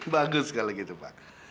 bagus kalau gitu pak